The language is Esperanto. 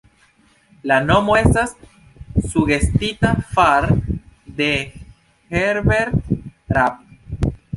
La nomo estas sugestita far'de Herbert Raab.